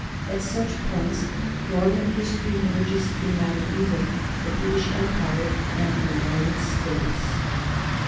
At such points Norman history merges in that of England, the British Empire, and the United States.